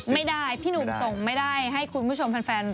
ไม่ได้พี่หนูส่งไม่ได้ให้คุณผู้ชมแฟน